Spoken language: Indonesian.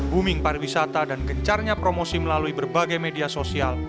booming pariwisata dan gencarnya promosi melalui berbagai media sosial